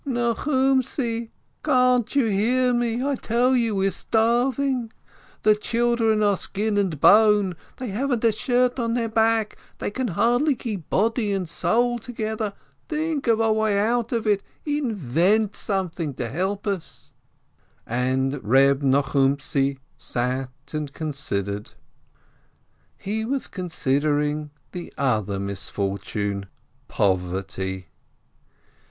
Nochumtzi, can't you hear me? I tell you, we're starving! The children are skin and bone, they haven't a shirt to their back, they can hardly keep body and soul together. Think of a way out of it, invent something to help us !" And Reb Nochumtzi sat and considered. He was considering the other misfortune — poverty.